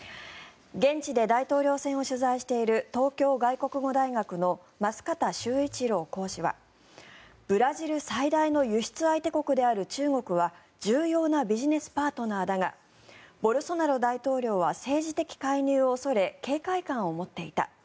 現地で大統領選を取材している東京外国語大学の舛方周一郎講師はブラジル最大の輸出相手国である中国は重要なビジネスパートナーだがボルソナロ大統領は政治的介入を恐れ警戒感を持っていた。